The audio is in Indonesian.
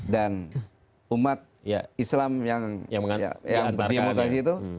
dan umat islam yang diumumkan di situ